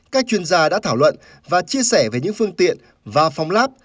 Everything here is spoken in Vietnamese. các chuyên gia đã thảo luận và chia sẻ về những phương tiện và phong láp